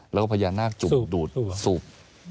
แล้วก็พญานาคจุกดูดสูบ